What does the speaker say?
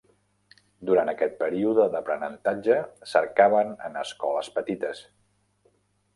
Durant aquest període d'aprenentatge, cercaven en escoles petites.